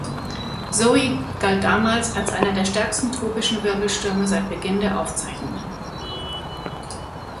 Zoe galt damals als einer der stärksten tropischen Wirbelstürme seit Beginn der Aufzeichnungen.